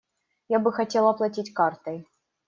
Я бы хотел оплатить картой.